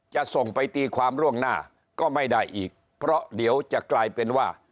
จะส่งไปตีความล่วงหน้าก็ไม่ได้อีกเพราะเดี๋ยวจะกลายเป็นว่า